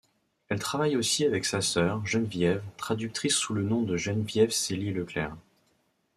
Elle travaille aussi avec sa sœur, Geneviève, traductrice sous le nom de Geneviève Sellier-Leclerc.